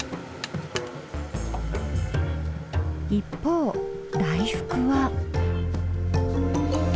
一方大福は。